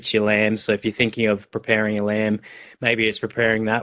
atau jika anda adalah seseorang yang sangat menyukai ikan atau apa apa dari laut